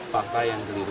fakta yang keliru